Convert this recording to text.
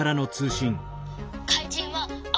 かいじんはあ